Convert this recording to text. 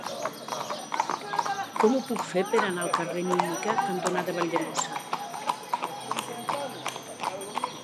Com ho puc fer per anar al carrer Mímica cantonada Valldemossa?